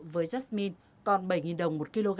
với jasmine còn bảy đồng một kg